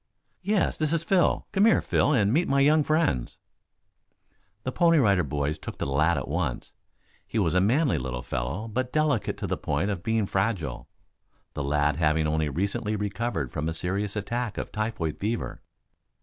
"Yes, this is Phil. Come here, Phil and meet my young friends." The Pony Rider Boys took to the lad at once. He was a manly little fellow, but delicate to the point of being fragile, the lad having only recently recovered from a serious attack of typhoid fever.